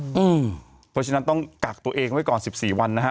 เพราะฉะนั้นต้องกักตัวเองไว้ก่อน๑๔วันนะฮะ